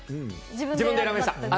自分で選びました。